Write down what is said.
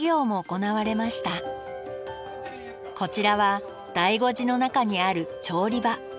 こちらは醍醐寺の中にある調理場。